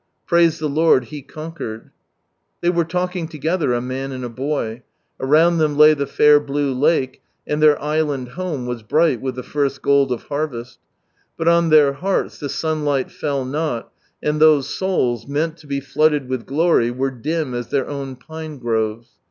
Praise the Lord He conquered. .,. They were talking together, a man and a boy. Around them lay the fair blue lake, and their island home was bright with the first gold of harvest But on their hearts the sunlight fell not, and those souls, meant to be flooded with glory, were dim as their own pine groves.